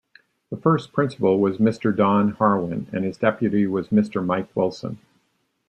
The first Principal was Mr. Don Harwin and his Deputy was Mr. Mike Wilson.